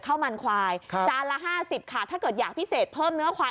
ข้าวมันควายจานละ๕๐ค่ะถ้าเกิดอยากพิเศษเพิ่มเนื้อควาย